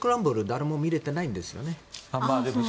誰も見れていないんですよね。